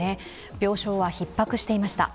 病床はひっ迫していました。